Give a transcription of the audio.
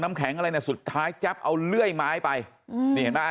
น้ำแข็งอะไรเนี่ยสุดท้ายแจ๊ปเอาเลื่อยไม้ไปนี่เห็นปะอัน